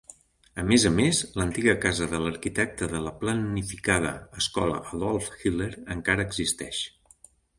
A més a més, l'antiga casa de l'arquitecte de la planificada Escola Adolf Hitler encara existeix.